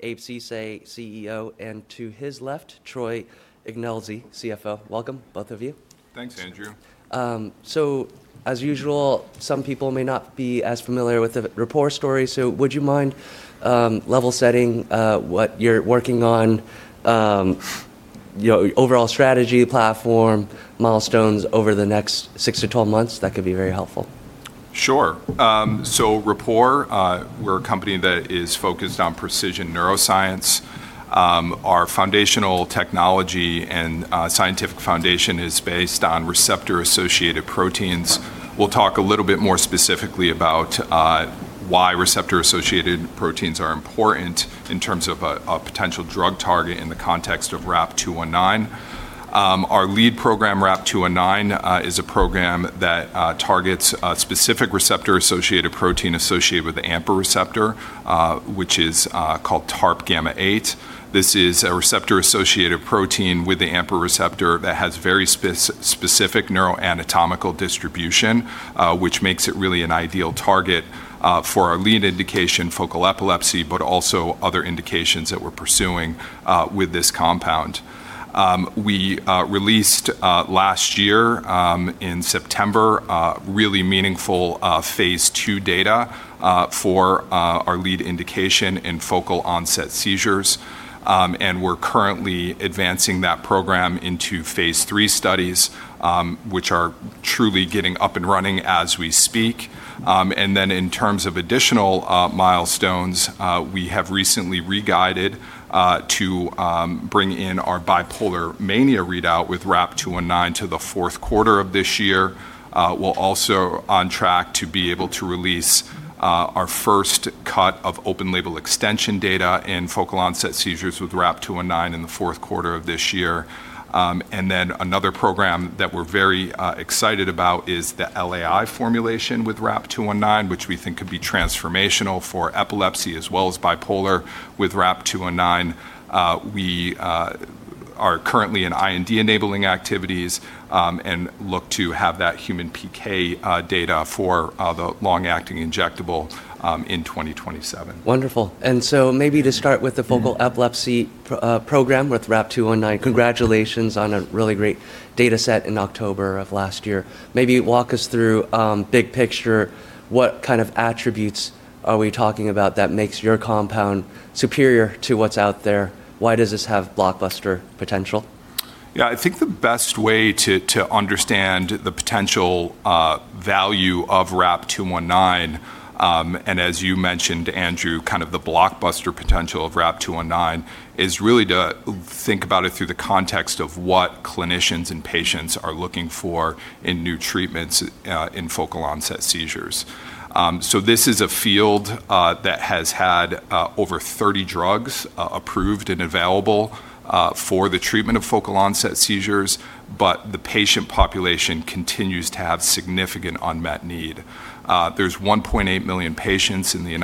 Abraham Ceesay, CEO, and to his left, Troy Ignelzi, CFO. Welcome, both of you. Thanks, Andrew. As usual, some people may not be as familiar with the Rapport story, so would you mind level setting what you're working on, your overall strategy platform milestones over the next six to 12 months? That could be very helpful. Sure. Rapport, we're a company that is focused on precision neuroscience. Our foundational technology and scientific foundation is based on receptor-associated proteins. We'll talk a little bit more specifically about why receptor-associated proteins are important in terms of a potential drug target in the context of RAP-219. Our lead program, RAP-219, is a program that targets a specific receptor-associated protein associated with the AMPA receptor, which is called TARPγ8. This is a receptor-associated protein with the AMPA receptor that has very specific neuroanatomical distribution, which makes it really an ideal target for our lead indication, focal epilepsy, but also other indications that we're pursuing with this compound. We released last year, in September, really meaningful phase II data for our lead indication in focal onset seizures. We're currently advancing that program into phase III studies, which are truly getting up and running as we speak. In terms of additional milestones, we have recently re-guided to bring in our bipolar mania readout with RAP-219 to the fourth quarter of this year. We're also on track to be able to release our first cut of open label extension data in focal onset seizures with RAP-219 in the fourth quarter of this year. Another program that we're very excited about is the LAI formulation with RAP-219, which we think could be transformational for epilepsy as well as bipolar with RAP-219. We are currently in IND-enabling activities, and look to have that human PK data for the long-acting injectable in 2027. Wonderful. Maybe to start with the focal epilepsy program with RAP-219, congratulations on a really great data set in October of last year. Maybe walk us through big picture, what kind of attributes are we talking about that makes your compound superior to what's out there? Why does this have blockbuster potential? Yeah, I think the best way to understand the potential value of RAP-219, and as you mentioned, Andrew, kind of the blockbuster potential of RAP-219, is really to think about it through the context of what clinicians and patients are looking for in new treatments in focal onset seizures. This is a field that has had over 30 drugs approved and available for the treatment of focal onset seizures, but the patient population continues to have significant unmet need. There's 1.8 million patients in the U.S.,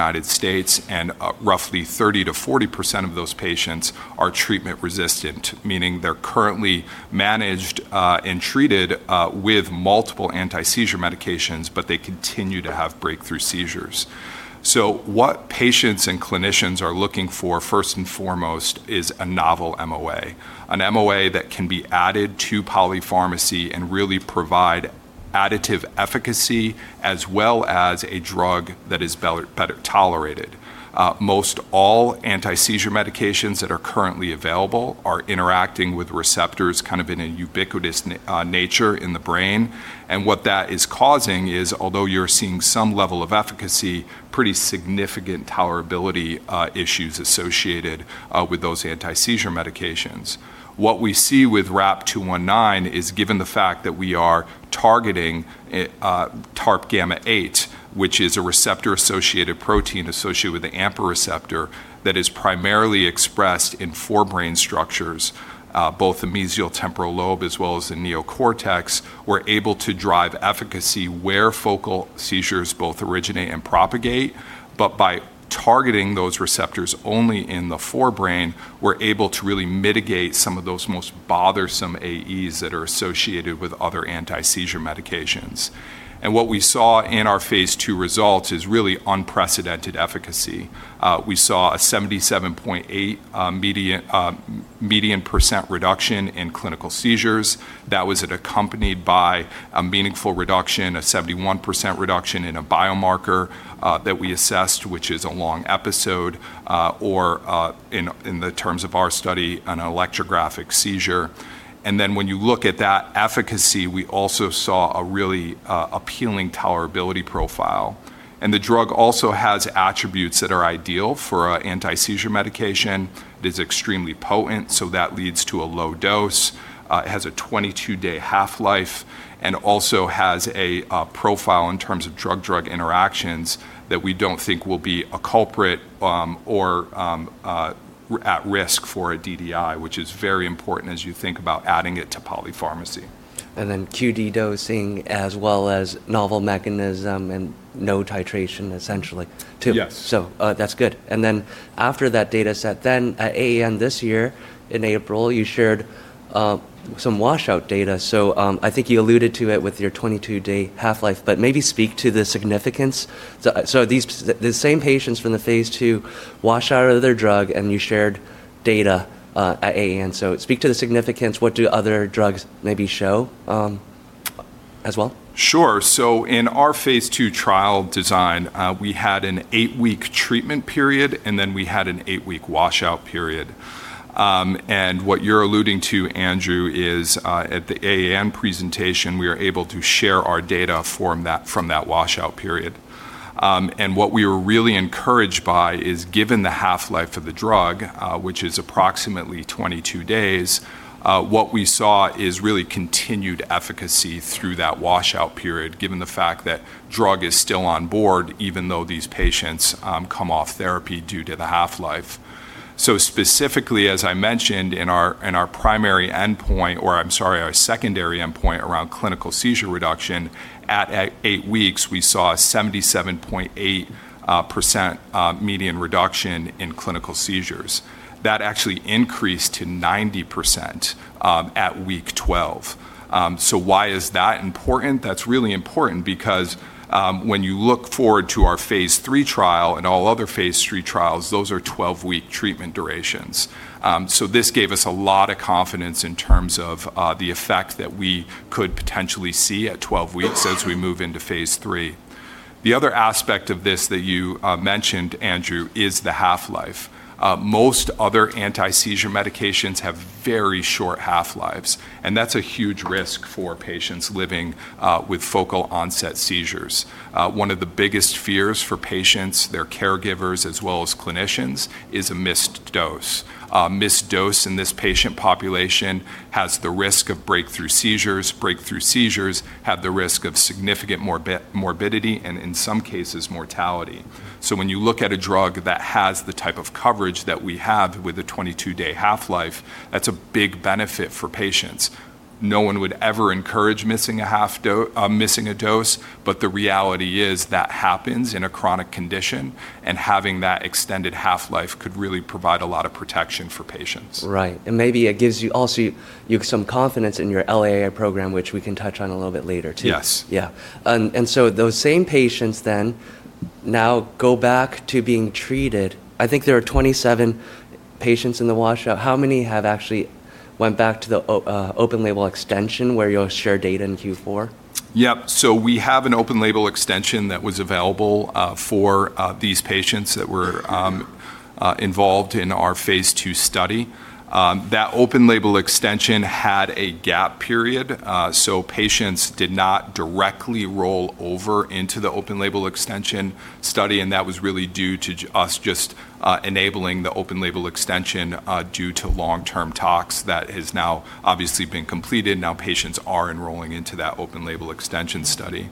and roughly 30%-40% of those patients are treatment-resistant, meaning they're currently managed and treated with multiple anti-seizure medications, but they continue to have breakthrough seizures. What patients and clinicians are looking for, first and foremost, is a novel MOA. An MOA that can be added to polypharmacy and really provide additive efficacy, as well as a drug that is better tolerated. Most all anti-seizure medications that are currently available are interacting with receptors kind of in a ubiquitous nature in the brain. What that is causing is, although you're seeing some level of efficacy, pretty significant tolerability issues associated with those anti-seizure medications. What we see with RAP-219 is given the fact that we are targeting TARPγ8, which is a receptor-associated protein associated with the AMPA receptor that is primarily expressed in forebrain structures, both the mesial temporal lobe as well as the neocortex. We're able to drive efficacy where focal seizures both originate and propagate. By targeting those receptors only in the forebrain, we're able to really mitigate some of those most bothersome AEs that are associated with other anti-seizure medications. What we saw in our phase II results is really unprecedented efficacy. We saw a 77.8% median reduction in clinical seizures. That was accompanied by a meaningful reduction, a 71% reduction in a biomarker that we assessed, which is a long episode, or in the terms of our study, an electrographic seizure. When you look at that efficacy, we also saw a really appealing tolerability profile. The drug also has attributes that are ideal for an anti-seizure medication. It is extremely potent, so that leads to a low dose. It has a 22-day half-life, also has a profile in terms of drug-drug interactions that we don't think will be a culprit, or at risk for a DDI, which is very important as you think about adding it to polypharmacy. QD dosing as well as novel mechanism and no titration, essentially, too. Yes. That's good. After that data set, at AAN this year, in April, you shared some washout data. I think you alluded to it with your 22-day half-life, but maybe speak to the significance. The same patients from the phase II wash out of their drug, and you shared data at AAN. Speak to the significance. What do other drugs maybe show as well? Sure. In our phase II trial design, we had an eight-week treatment period, and then we had an eight-week washout period. What you're alluding to, Andrew, is at the AAN presentation, we are able to share our data from that washout period. What we were really encouraged by is, given the half-life of the drug, which is approximately 22 days, what we saw is really continued efficacy through that washout period, given the fact that drug is still on board, even though these patients come off therapy due to the half-life. Specifically, as I mentioned in our secondary endpoint around clinical seizure reduction, at eight weeks, we saw a 77.8% median reduction in clinical seizures. That actually increased to 90% at week 12. Why is that important? That's really important because when you look forward to our phase III trial and all other phase III trials, those are 12-week treatment durations. This gave us a lot of confidence in terms of the effect that we could potentially see at 12 weeks as we move into phase III. The other aspect of this that you mentioned, Andrew, is the half-life. Most other anti-seizure medications have very short half-lives, and that's a huge risk for patients living with focal onset seizures. One of the biggest fears for patients, their caregivers, as well as clinicians, is a missed dose. A missed dose in this patient population has the risk of breakthrough seizures. Breakthrough seizures have the risk of significant morbidity, and in some cases, mortality. When you look at a drug that has the type of coverage that we have with a 22-day half-life, that's a big benefit for patients. No one would ever encourage missing a dose, but the reality is that happens in a chronic condition, and having that extended half-life could really provide a lot of protection for patients. Right. Maybe it gives you also some confidence in your LAI program, which we can touch on a little bit later, too. Yes. Yeah. Those same patients then now go back to being treated. I think there are 27 patients in the washout. How many have actually went back to the open label extension, where you'll share data in Q4? We have an open label extension that was available for these patients that were involved in our phase II study. That open label extension had a gap period. Patients did not directly roll over into the open label extension study, and that was really due to us just enabling the open label extension due to long-term tox that has now obviously been completed. Patients are enrolling into that open label extension study.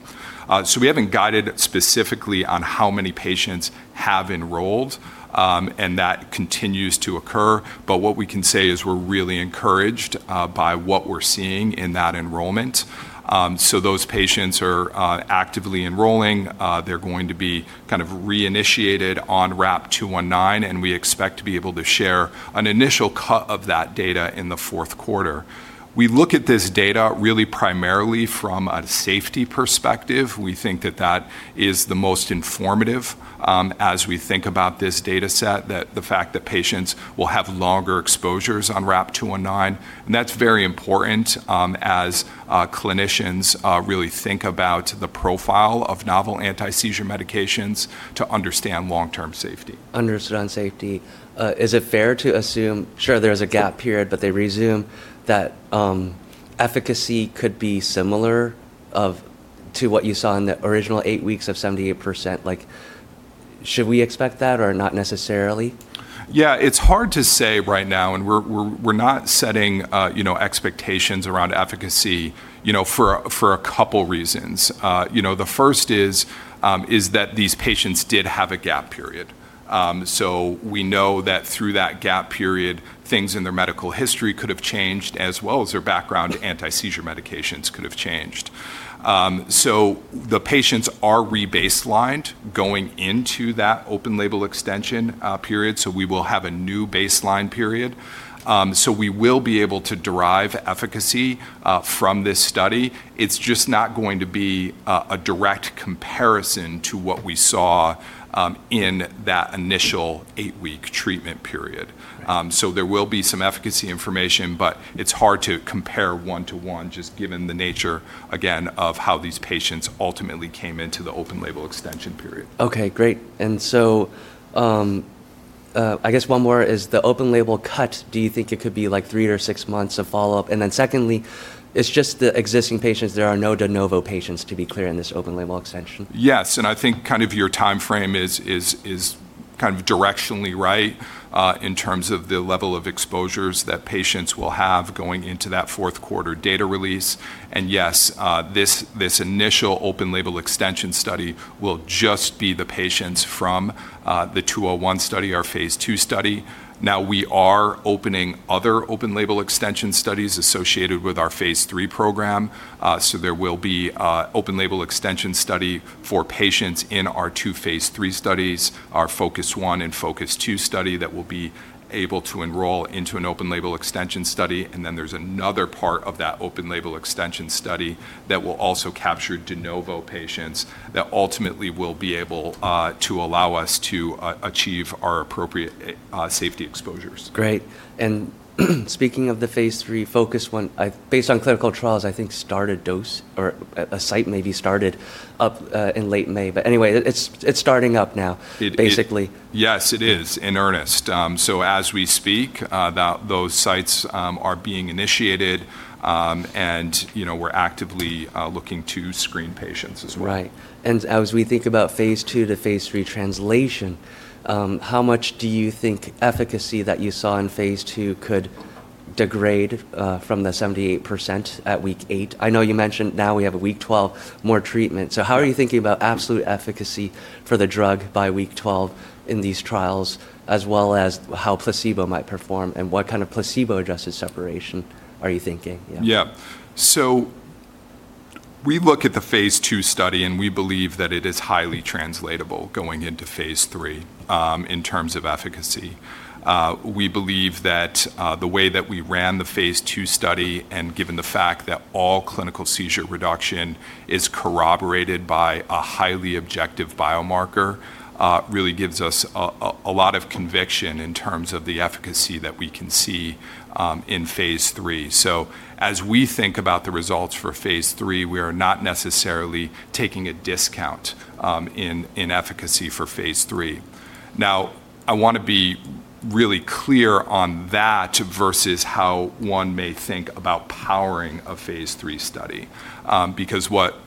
We haven't guided specifically on how many patients have enrolled, and that continues to occur. What we can say is we're really encouraged by what we're seeing in that enrollment. Those patients are actively enrolling. They're going to be reinitiated on RAP-219, and we expect to be able to share an initial cut of that data in the fourth quarter. We look at this data really primarily from a safety perspective. We think that that is the most informative as we think about this data set, the fact that patients will have longer exposures on RAP-219. That's very important as clinicians really think about the profile of novel anti-seizure medications to understand long-term safety. Understood on safety. Is it fair to assume, sure, there is a gap period, but they resume, that efficacy could be similar to what you saw in the original eight weeks of 78%? Should we expect that or not necessarily? Yeah. It's hard to say right now, and we're not setting expectations around efficacy for a couple reasons. The first is that these patients did have a gap period. We know that through that gap period, things in their medical history could have changed as well as their background anti-seizure medications could have changed. The patients are re-baselined going into that open label extension period. We will have a new baseline period. We will be able to derive efficacy from this study. It's just not going to be a direct comparison to what we saw in that initial eight-week treatment period. Right. There will be some efficacy information, but it's hard to compare one-to-one just given the nature, again, of how these patients ultimately came into the open label extension period. Okay, great. I guess one more is the open label extension. Do you think it could be three or six months of follow-up? Secondly, it's just the existing patients. There are no de novo patients, to be clear, in this open label extension. Yes. I think your timeframe is kind of directionally right, in terms of the level of exposures that patients will have going into that fourth quarter data release. Yes, this initial open label extension study will just be the patients from the 201 study, our phase II study. Now we are opening other open label extension studies associated with our phase III program. There will be open label extension study for patients in our two phase III studies, our FOCUS 1 and FOCUS 2 study that will be able to enroll into an open label extension study. There's another part of that open label extension study that will also capture de novo patients that ultimately will be able to allow us to achieve our appropriate safety exposures. Great. Speaking of the phase III FOCUS 1, based on clinical trials, I think start a dose or a site maybe started up in late May. Anyway, it's starting up now basically. Yes, it is in earnest. As we speak, those sites are being initiated, and we're actively looking to screen patients as well. Right. As we think about phase II to phase III translation, how much do you think efficacy that you saw in phase II could degrade from the 78% at week eight? I know you mentioned now we have a week 12 more treatment. How are you thinking about absolute efficacy for the drug by week 12 in these trials, as well as how placebo might perform and what kind of placebo-adjusted separation are you thinking? Yeah. Yeah. We look at the phase II study, and we believe that it is highly translatable going into phase III, in terms of efficacy. We believe that the way that we ran the phase II study and given the fact that all clinical seizure reduction is corroborated by a highly objective biomarker, really gives us a lot of conviction in terms of the efficacy that we can see in phase III. As we think about the results for phase III, we are not necessarily taking a discount in efficacy for phase III. Now, I want to be really clear on that versus how one may think about powering a phase III study. What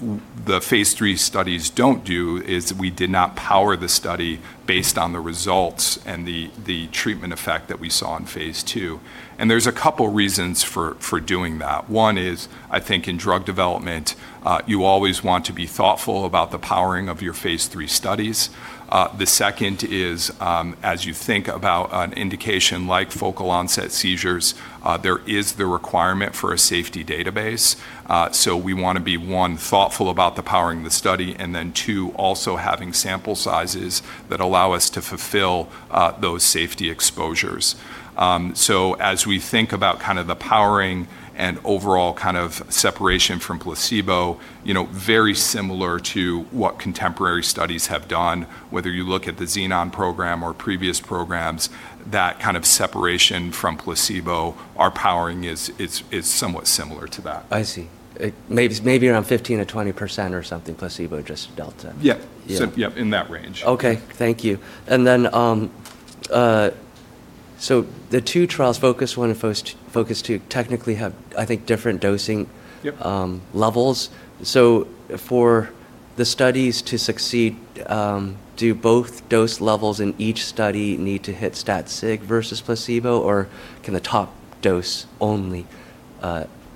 the phase III studies don't do is we did not power the study based on the results and the treatment effect that we saw in phase II. There's a couple of reasons for doing that. One is, I think in drug development, you always want to be thoughtful about the powering of your phase III studies. The second is, as you think about an indication like focal onset seizures, there is the requirement for a safety database. We want to be, one, thoughtful about the powering the study, and then two, also having sample sizes that allow us to fulfill those safety exposures. As we think about the powering and overall separation from placebo, very similar to what contemporary studies have done, whether you look at the Xenon program or previous programs, that kind of separation from placebo, our powering is somewhat similar to that. I see. Maybe around 15 or 20% or something placebo-adjusted delta. Yeah. Yeah. In that range. Okay, thank you. The two trials, FOCUS 1 and FOCUS 2, technically have, I think, different dosing. Yep levels. For the studies to succeed, do both dose levels in each study need to hit stat sig versus placebo, or can the top dose only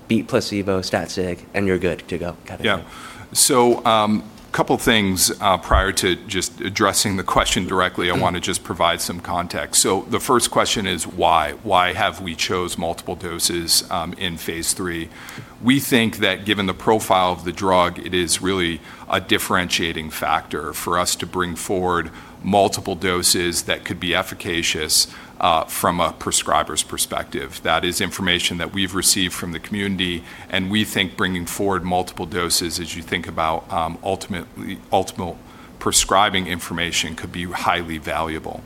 beat placebo stat sig and you're good to go kind of thing? Yeah. Couple things prior to just addressing the question directly, I want to just provide some context. The first question is why? Why have we chose multiple doses in phase III? We think that given the profile of the drug, it is really a differentiating factor for us to bring forward multiple doses that could be efficacious from a prescriber's perspective. That is information that we've received from the community, and we think bringing forward multiple doses as you think about ultimate prescribing information could be highly valuable.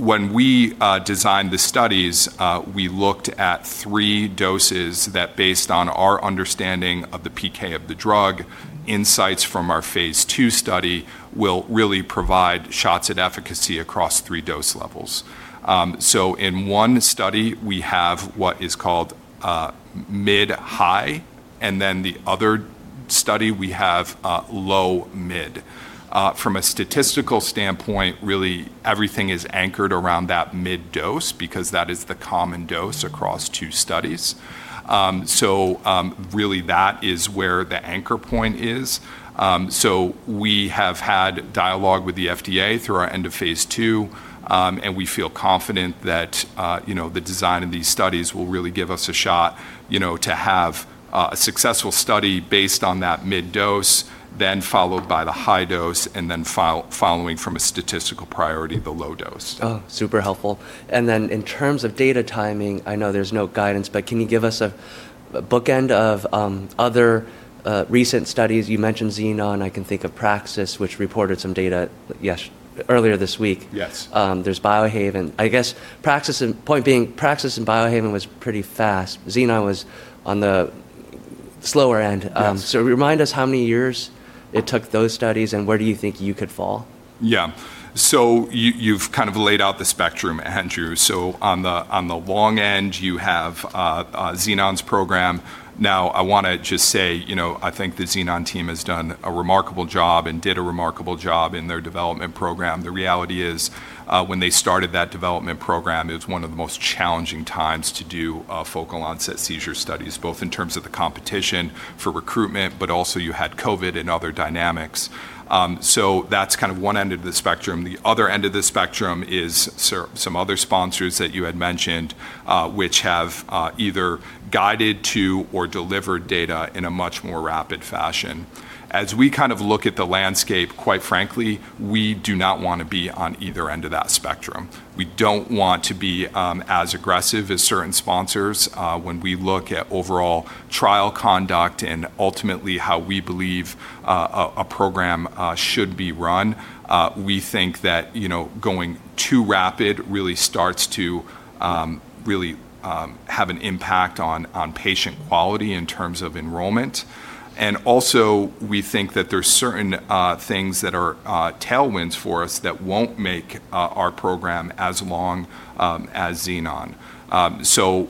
When we designed the studies, we looked at three doses that based on our understanding of the PK of the drug, insights from our phase II study will really provide shots at efficacy across three dose levels. In one study, we have what is called mid-high, and then the other study, we have low-mid. From a statistical standpoint, really everything is anchored around that mid dose because that is the common dose across two studies. Really that is where the anchor point is. We have had dialogue with the FDA through our end of phase II, and we feel confident that the design of these studies will really give us a shot to have a successful study based on that mid dose, then followed by the high dose, and then following from a statistical priority, the low dose. Oh, super helpful. In terms of data timing, I know there's no guidance, but can you give us a bookend of other recent studies? You mentioned Xenon. I can think of Praxis, which reported some data earlier this week. Yes. There's Biohaven. I guess, point being, Praxis and Biohaven was pretty fast. Xenon was on the slower end. Yes. Remind us how many years it took those studies, and where do you think you could fall? Yeah. You've laid out the spectrum, Andrew. On the long end, you have Xenon's program. Now, I want to just say, I think the Xenon team has done a remarkable job and did a remarkable job in their development program. The reality is, when they started that development program, it was one of the most challenging times to do focal onset seizure studies, both in terms of the competition for recruitment, but also you had COVID and other dynamics. That's one end of the spectrum. The other end of the spectrum is some other sponsors that you had mentioned, which have either guided to or delivered data in a much more rapid fashion. As we look at the landscape, quite frankly, we do not want to be on either end of that spectrum. We don't want to be as aggressive as certain sponsors. When we look at overall trial conduct and ultimately how we believe a program should be run, we think that going too rapid really starts to have an impact on patient quality in terms of enrollment. Also, we think that there's certain things that are tailwinds for us that won't make our program as long as Xenon.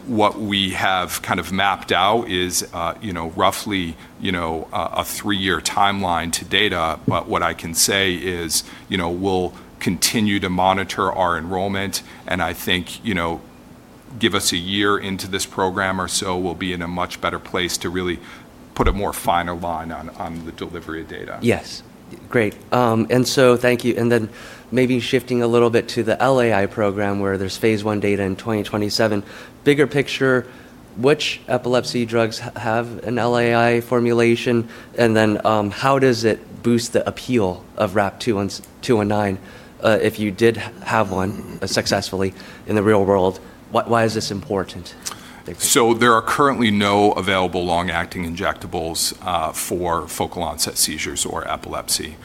What we have mapped out is roughly a three-year timeline to data. What I can say is, we'll continue to monitor our enrollment, and I think give us a year into this program or so, we'll be in a much better place to really put a more finer line on the delivery of data. Yes. Great. Thank you. Maybe shifting a little bit to the LAI program where there's phase I data in 2027. Bigger picture, which epilepsy drugs have an LAI formulation? How does it boost the appeal of RAP-219 if you did have one successfully in the real world? Why is this important? Thank you. There are currently no available long-acting injectables for focal onset seizures or epilepsy.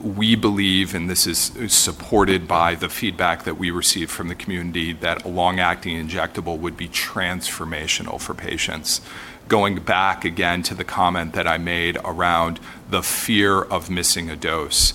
We believe, and this is supported by the feedback that we receive from the community, that a long-acting injectable would be transformational for patients. Going back again to the comment that I made around the fear of missing a dose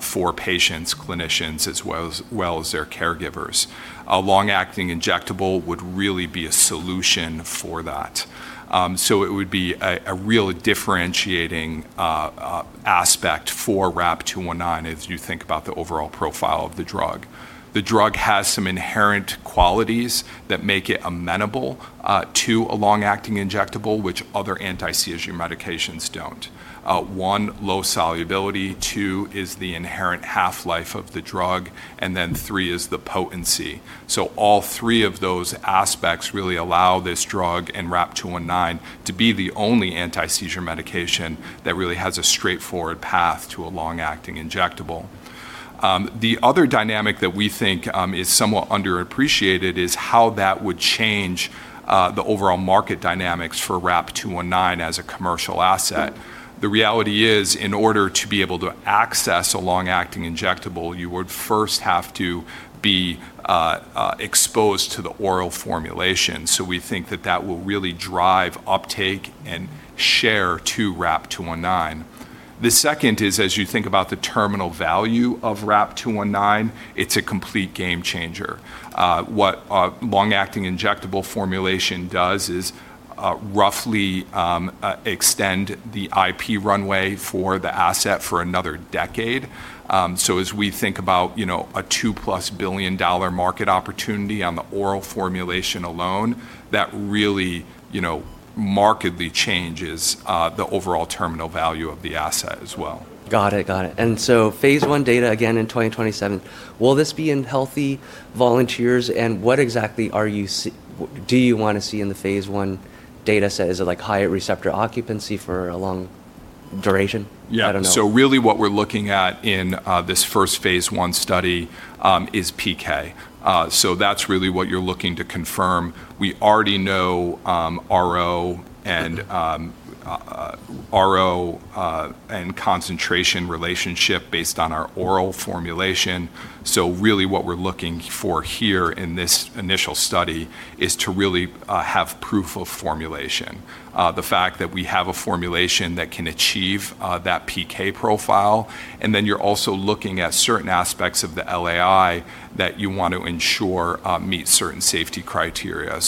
for patients, clinicians, as well as their caregivers. A long-acting injectable would really be a solution for that. It would be a real differentiating aspect for RAP-219 as you think about the overall profile of the drug. The drug has some inherent qualities that make it amenable to a long-acting injectable, which other anti-seizure medications don't. One, low solubility, two is the inherent half-life of the drug, and then three is the potency. All three of those aspects really allow this drug and RAP-219 to be the only anti-seizure medication that really has a straightforward path to a long-acting injectable. The other dynamic that we think is somewhat underappreciated is how that would change the overall market dynamics for RAP-219 as a commercial asset. The reality is, in order to be able to access a long-acting injectable, you would first have to be exposed to the oral formulation. We think that that will really drive uptake and share to RAP-219. The second is, as you think about the terminal value of RAP-219, it's a complete game changer. What a long-acting injectable formulation does is roughly extend the IP runway for the asset for another decade. As we think about a $2+ billion market opportunity on the oral formulation alone, that really markedly changes the overall terminal value of the asset as well. Got it. Phase I data, again, in 2027. Will this be in healthy volunteers, and what exactly do you want to see in the phase I data set? Is it higher receptor occupancy for a long duration? I don't know. Yeah. Really what we're looking at in this first phase I study is PK. That's really what you're looking to confirm. We already know RO and concentration relationship based on our oral formulation. Really what we're looking for here in this initial study is to really have proof of formulation. The fact that we have a formulation that can achieve that PK profile, and then you're also looking at certain aspects of the LAI that you want to ensure meet certain safety criteria.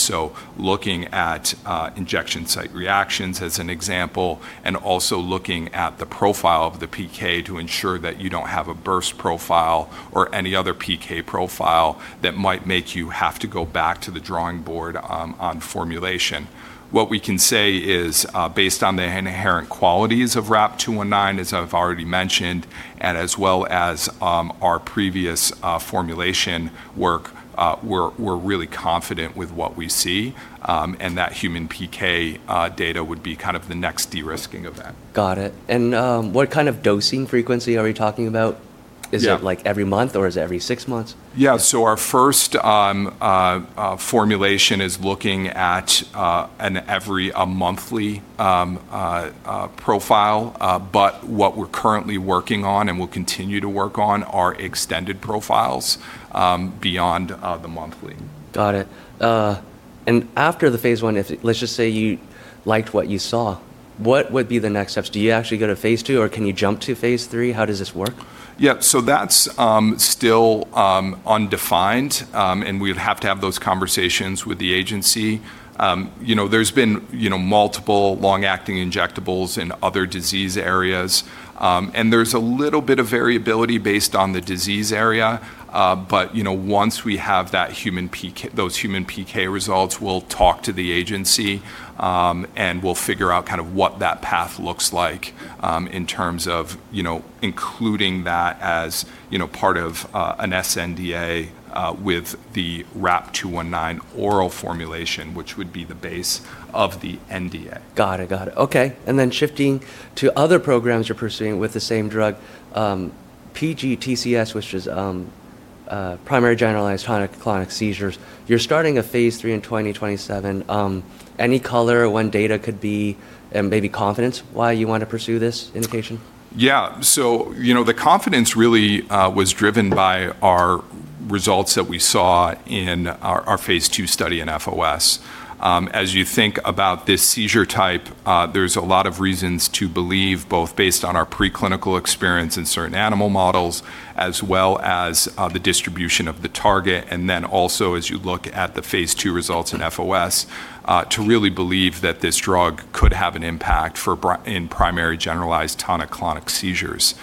Looking at injection site reactions as an example, and also looking at the profile of the PK to ensure that you don't have a burst profile or any other PK profile that might make you have to go back to the drawing board on formulation. What we can say is based on the inherent qualities of RAP-219, as I've already mentioned, and as well as our previous formulation work, we're really confident with what we see. That human PK data would be the next de-risking event. Got it. What kind of dosing frequency are we talking about? Yeah. Is it every month or is it every six months? Yeah. Our first formulation is looking at an every monthly profile. What we're currently working on and will continue to work on are extended profiles beyond the monthly. Got it. After the phase I, let's just say you liked what you saw, what would be the next steps? Do you actually go to phase II or can you jump to phase III? How does this work? That's still undefined, and we'd have to have those conversations with the agency. There's been multiple long-acting injectables in other disease areas. There's a little bit of variability based on the disease area. Once we have those human PK results, we'll talk to the agency, and we'll figure out what that path looks like in terms of including that as part of an sNDA with the RAP-219 oral formulation, which would be the base of the NDA. Got it. Okay. Shifting to other programs you're pursuing with the same drug, PGTCS, which is primary generalized tonic-clonic seizures, you're starting a phase III in 2027. Any color when data could be, and maybe confidence why you want to pursue this indication? Yeah. The confidence really was driven by our results that we saw in our phase II study in FOS. As you think about this seizure type, there's a lot of reasons to believe, both based on our preclinical experience in certain animal models, as well as the distribution of the target, and then also as you look at the phase II results in FOS, to really believe that this drug could have an impact in primary generalized tonic-clonic seizures.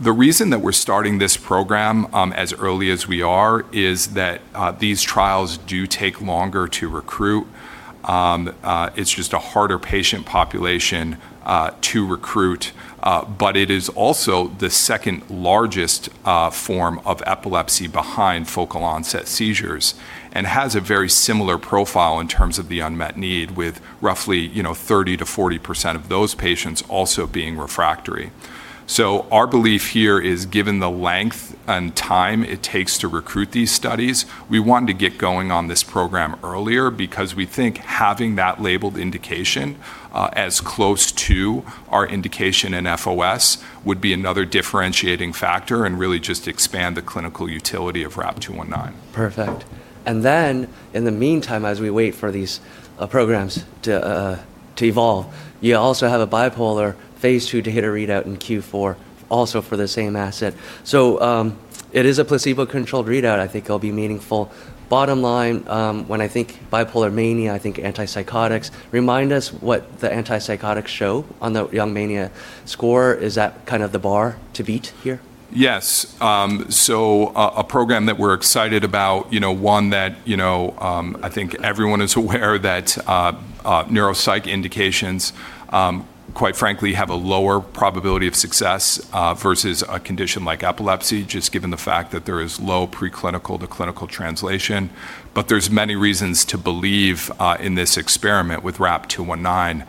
The reason that we're starting this program as early as we are is that these trials do take longer to recruit. It's just a harder patient population to recruit. It is also the second largest form of epilepsy behind focal onset seizures and has a very similar profile in terms of the unmet need, with roughly 30%-40% of those patients also being refractory. Our belief here is, given the length and time it takes to recruit these studies, we wanted to get going on this program earlier, because we think having that labeled indication as close to our indication in FOS would be another differentiating factor and really just expand the clinical utility of RAP-219. Perfect. In the meantime, as we wait for these programs to evolve, you also have a bipolar phase II to hit a readout in Q4, also for the same asset. It is a placebo-controlled readout I think will be meaningful. Bottom line, when I think bipolar mania, I think antipsychotics. Remind us what the antipsychotics show on the Young Mania Score. Is that the bar to beat here? Yes. A program that we're excited about, one that I think everyone is aware that neuropsych indications, quite frankly, have a lower probability of success versus a condition like epilepsy, just given the fact that there is low preclinical to clinical translation. There's many reasons to believe in this experiment with RAP-219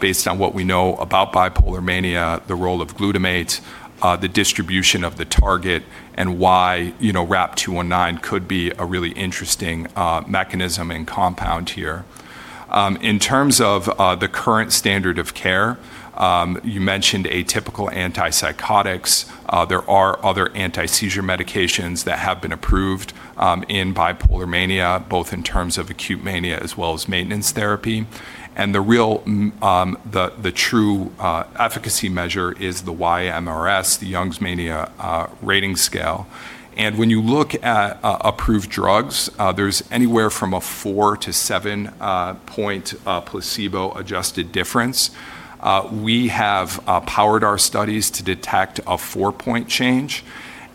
based on what we know about bipolar mania, the role of glutamate, the distribution of the target, and why RAP-219 could be a really interesting mechanism and compound here. In terms of the current standard of care, you mentioned atypical antipsychotics. There are other anti-seizure medications that have been approved in bipolar mania, both in terms of acute mania as well as maintenance therapy. The true efficacy measure is the YMRS, the Young Mania Rating Scale. When you look at approved drugs, there's anywhere from a 4-7-point placebo-adjusted difference. We have powered our studies to detect a four-point change.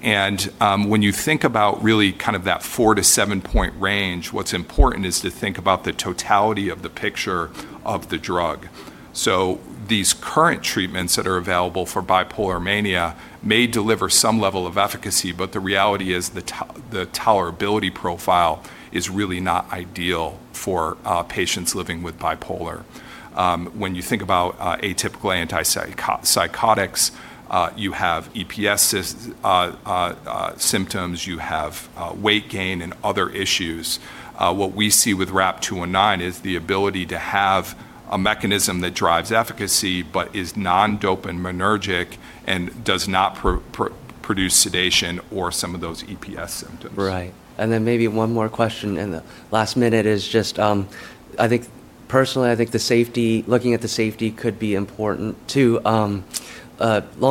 When you think about really that four to seven-point range, what's important is to think about the totality of the picture of the drug. These current treatments that are available for bipolar mania may deliver some level of efficacy. The reality is the tolerability profile is really not ideal for patients living with bipolar. When you think about atypical antipsychotics, you have EPS symptoms, you have weight gain, and other issues. What we see with RAP-219 is the ability to have a mechanism that drives efficacy but is non-dopaminergic and does not produce sedation or some of those EPS symptoms. Right. Maybe one more question in the last minute is just, personally, I think looking at the safety could be important, too. Long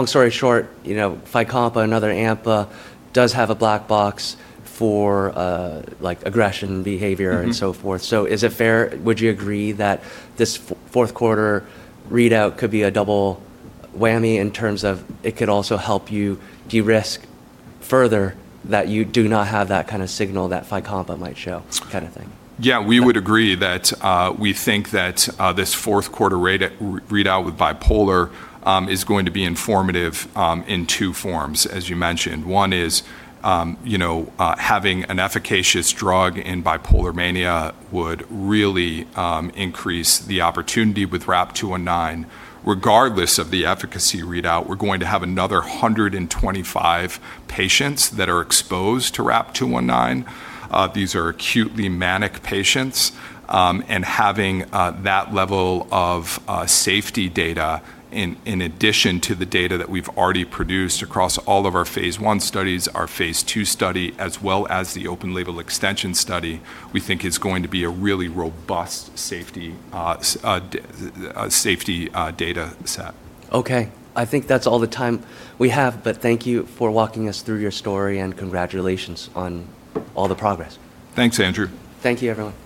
story short, FYCOMPA, another AMPA, does have a black box for aggression behavior and so forth. Is it fair, would you agree that this fourth quarter readout could be a double whammy in terms of it could also help you de-risk further that you do not have that kind of signal that FYCOMPA might show kind of thing? We would agree that we think that this fourth quarter readout with bipolar is going to be informative in two forms, as you mentioned. One is having an efficacious drug in bipolar mania would really increase the opportunity with RAP-219. Regardless of the efficacy readout, we're going to have another 125 patients that are exposed to RAP-219. These are acutely manic patients. Having that level of safety data in addition to the data that we've already produced across all of our phase I studies, our phase II study, as well as the open label extension study, we think is going to be a really robust safety data set. Okay. I think that's all the time we have. Thank you for walking us through your story, and congratulations on all the progress. Thanks, Andrew. Thank you, everyone.